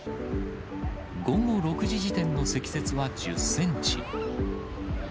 午後６時時点の積雪は１０センチ。